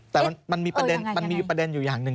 แต่มันมีประเด็นอยู่อย่างหนึ่ง